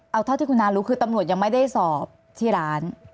เอาเท่าที่คุณน้ารู้คือตำรวจยังไม่ได้สอบที่ร้าน